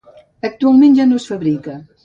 Actualment ja no es fabrica.